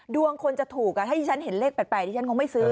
คนจะถูกถ้าที่ฉันเห็นเลข๘ที่ฉันคงไม่ซื้อ